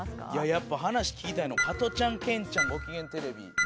やっぱ話聞きたいの『加トちゃんケンちゃんごきげんテレビ』。